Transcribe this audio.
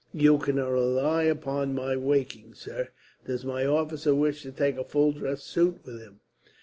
"You can rely upon my waking, sir. Does my officer wish to take a full dress suit with him?"